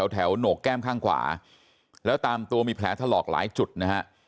โหนกแก้มข้างขวาแล้วตามตัวมีแผลถลอกหลายจุดนะฮะ